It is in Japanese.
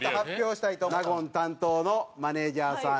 納言担当のマネージャーさん。